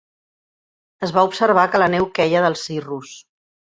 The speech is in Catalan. Es va observar que la neu queia dels cirrus.